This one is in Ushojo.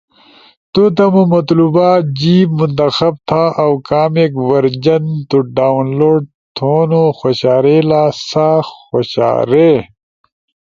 تو تمو مطلوبہ جیب منتخب تھا اؤ کامیک ورژن تو ڈاونلوڈ تھونو خوشارئیلا سا خوشارے۔